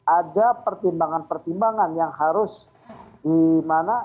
ada pertimbangan pertimbangan yang harus dimana